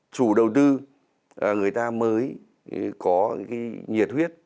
chủ đầu tư người ta mới có nhiệt huyết